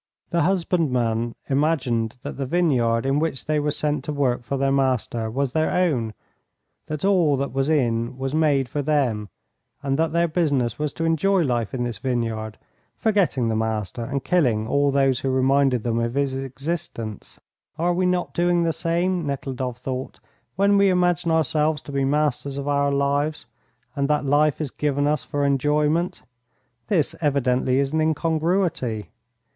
The husbandman imagined that the vineyard in which they were sent to work for their master was their own, that all that was in was made for them, and that their business was to enjoy life in this vineyard, forgetting the Master and killing all those who reminded them of his existence. "Are we not doing the same," Nekhludoff thought, "when we imagine ourselves to be masters of our lives, and that life is given us for enjoyment? This evidently is an incongruity.